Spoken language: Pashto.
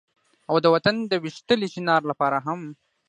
او د وطن د ويشتلي چينار لپاره هم